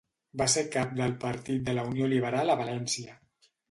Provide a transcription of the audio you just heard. Va ser cap del partit de la Unió Liberal a València.